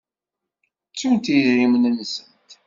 Ttunt idrimen-nsent.